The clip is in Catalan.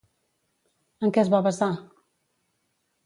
En què es va basar?